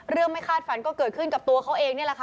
ไม่คาดฝันก็เกิดขึ้นกับตัวเขาเองนี่แหละค่ะ